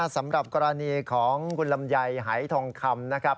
สำหรับกรณีของคุณลำไยหายทองคำนะครับ